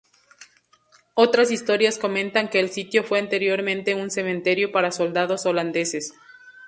Otras historias comentan que el sitio fue anteriormente un cementerio para soldados holandeses.